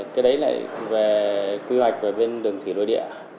cái đấy là về quy hoạch về bên đường thủy đối địa